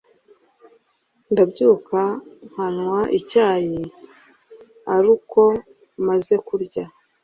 ndabyuka nkanywa icyayi aruko maze kurya,